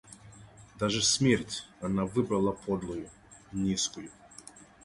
Даже смерть она выбрала подлую, низкую.